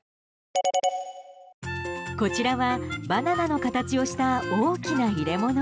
こちらはバナナの形をした大きな入れ物。